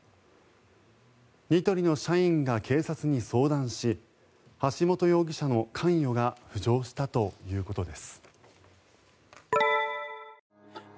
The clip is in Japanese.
ニトリの社員が警察に相談し橋本容疑者の関与が浮上したということです。